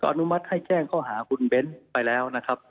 อนุมัติให้แจ้งข้อหาคุณเบ้นไปแล้วนะครับ